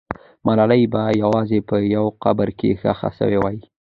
ملالۍ به یوازې په یو قبر کې ښخ سوې وي.